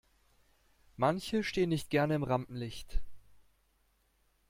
Manche stehen nicht gerne im Rampenlicht.